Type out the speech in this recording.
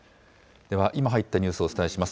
では今入ったニュースをお伝えします。